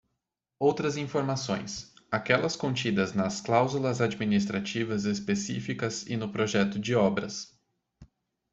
Outras informações: aquelas contidas nas cláusulas administrativas específicas e no projeto de obras.